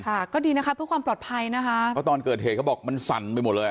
ค่ะก็ดีนะคะเพื่อความปลอดภัยนะคะเพราะตอนเกิดเหตุเขาบอกมันสั่นไปหมดเลย